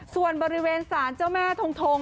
ส่วนบริเวณสารเจ้าแม่ทง